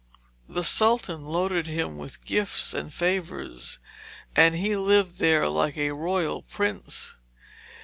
The Sultan loaded him with gifts and favours, and he lived there like a royal prince.